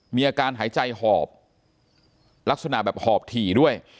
มีอาการหายใจหอบลักษณะแบบหอบถี่ด้วย